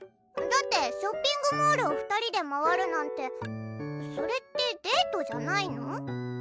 だってショッピングモールを二人で回るなんてそれってデートじゃないの？